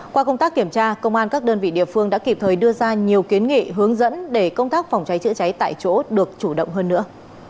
qua công tác kiểm tra công an các đơn vị địa phương đã kịp thời đưa ra nhiều kiến nghị hướng dẫn để công tác phòng cháy chữa cháy tại chỗ được chủ động hơn nữa